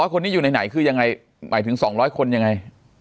คนนี้อยู่ในไหนคือยังไงหมายถึง๒๐๐คนยังไง